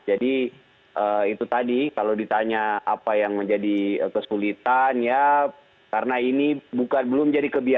jadi itu tadi kalau ditanya apa yang menjadi kesulitan ya karena ini bukan belum jadi kesulitan